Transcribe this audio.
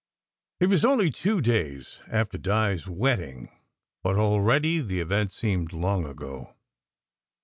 It was only two days after Di s wedding, but already that event seemed long ago.